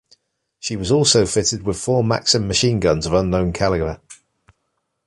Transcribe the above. She was also fitted with four Maxim machine guns of unknown caliber.